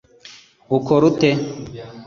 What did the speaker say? ukora ute